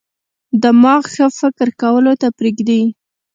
دماغ ښه فکر کولو ته پریږدي.